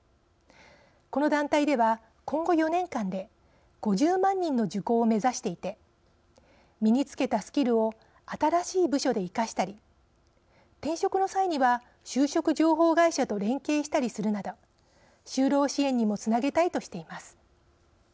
この団体では、今後４年間で５０万人の受講を目指していて身につけたスキルを新しい部署で生かしたり転職の際には就職情報会社と連携したりするなど就労支援にもつなげたいとしています。